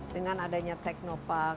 dengan adanya teknopark